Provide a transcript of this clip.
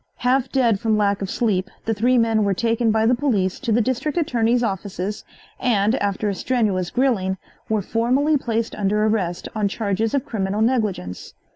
Half dead from lack of sleep, the three men were taken by the police to the district attorney's offices and, after a strenuous grilling, were formally placed under arrest on charges of criminal negligence.